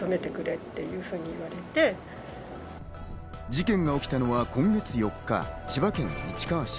事件が起きたのは今月４日、千葉県市川市。